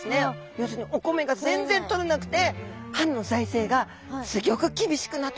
要するにお米が全然取れなくて藩の財政がすギョく厳しくなってしまったそうなんです。